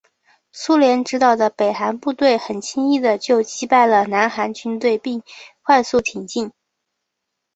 苏联指导的北韩部队很轻易的就击败南韩军队并快速挺进。